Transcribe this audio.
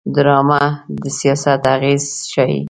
ډرامه د سیاست اغېز ښيي